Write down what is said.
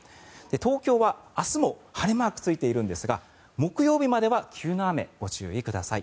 東京は明日も晴れマークついているんですが木曜日までは急な雨、ご注意ください。